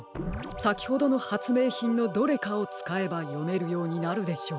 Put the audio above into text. さきほどのはつめいひんのどれかをつかえばよめるようになるでしょう。